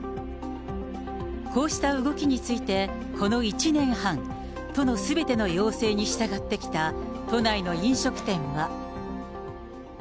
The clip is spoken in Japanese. こうした動きについて、この１年半、都のすべての要請に従ってきた、都内の飲食店は。